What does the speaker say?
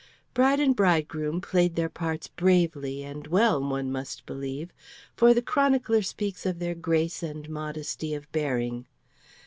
Bride and bridegroom played their parts bravely and well, one must believe, for the chronicler speaks of their grace and modesty of bearing.